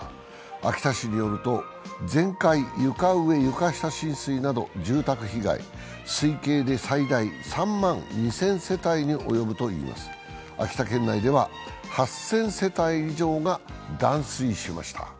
秋田市によると、全壊・床上・床下浸水など、住宅被害、推計で最大３万２０００世帯に及ぶといいます秋田県内では８０００世帯以上が断水しました。